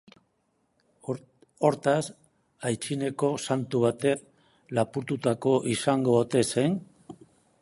Hortaz, aitzineko Santu batek lapurtutakoa izango ote zen?